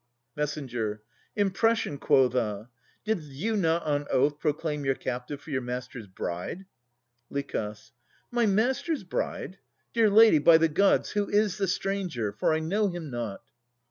MESS. Impression, quotha! Did you not on oath Proclaim your captive for your master's bride? LICH. My master's bride! Dear lady, by the Gods, Who is the stranger? for I know him not.